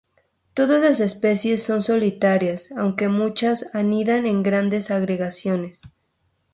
Todas las especies son solitarias, aunque muchas anidan en grandes agregaciones.